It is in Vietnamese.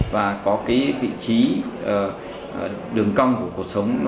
và có vị trí đường cong của cột sống